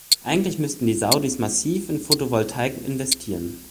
Eigentlich müssten die Saudis massiv in Photovoltaik investieren.